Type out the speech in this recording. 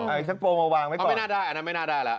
เอออีกสักโปมาวางไว้ก่อนอ้อไม่น่าได้อันนั้นไม่น่าได้แล้ว